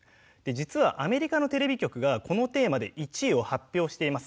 実はアメリカのテレビ局がこのテーマで１位を発表しています。